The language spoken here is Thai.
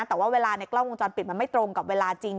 แต่ว่าเวลาในกล้องวงจรปิดมันไม่ตรงกับเวลาจริง